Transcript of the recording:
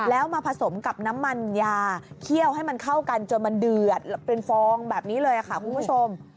แล้วมาผสมกับน้ำมันยาเคี่ยวให้มันเข้ากันจนมันเดือดเป็นฟองแบบนี้เลยค่ะคุณผู้ชม